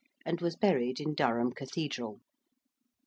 and was buried in Durham Cathedral.